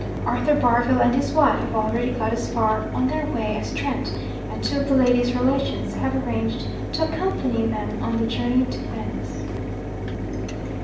Arthur Barville and his wife have already got as far on their way as Trent; and two of the lady's relations have arranged to accompany them on the journey to Venice.'